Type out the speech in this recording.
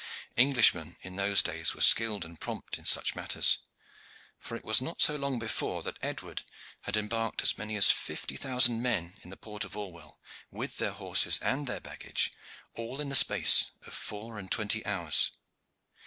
Englishmen in those days were skilled and prompt in such matters, for it was so not long before that Edward had embarked as many as fifty thousand men in the port of Orwell, with their horses and their baggage, all in the space of four and twenty hours.